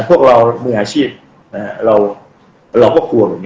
พวกเรามืออาชีพเราก็กลัวเหมือนกัน